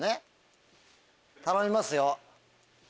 頼みますよ。